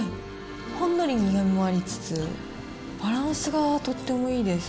ほんのり苦みもありつつ、バランスがとってもいいです。